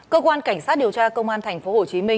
cơ quan cảnh sát điều tra công an tp hcm